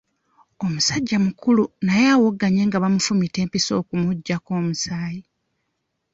Omusajja mukulu naye awogganye nga bamufumita empiso okumuggyako omusaayi.